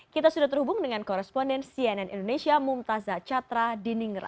kita sudah terhubung dengan koresponden cnn indonesia mumtazah catra di ningra